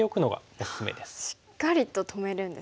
しっかりと止めるんですね。